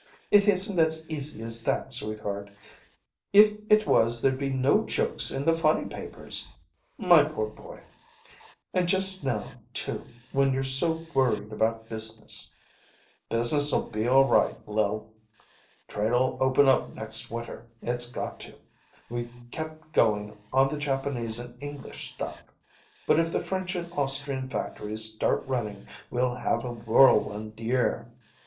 "It isn't as easy as that, sweetheart. If it was there'd be no jokes in the funny papers. My poor boy! And just now, too, when you're so worried about business." "Business'll be all right, Lil. Trade'll open up next winter. It's got to. We've kept going on the Japanese and English stuff. But if the French and Austrian factories start running we'll have a whirlwind year.